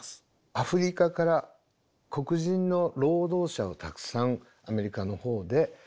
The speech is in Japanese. アフリカから黒人の労働者をたくさんアメリカのほうで入れました。